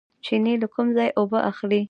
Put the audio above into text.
چینې له کوم ځای اوبه اخلي؟